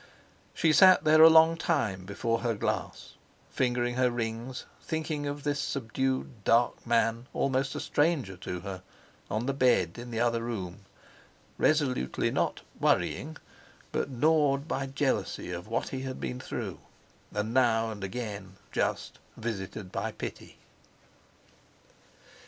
She sat there a long time before her glass, fingering her rings, thinking of this subdued dark man, almost a stranger to her, on the bed in the other room; resolutely not "worrying," but gnawed by jealousy of what he had been through, and now and again just visited by pity.